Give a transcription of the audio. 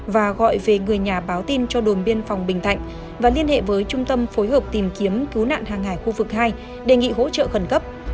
và gọi về người nhà báo tin cho đồn biên phòng bình thạnh và liên hệ với trung tâm phối hợp tìm kiếm cứu nạn hàng hải khu vực hai đề nghị hỗ trợ khẩn cấp